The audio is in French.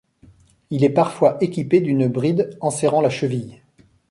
Il est parfois équipé d'une bride enserrant la cheville.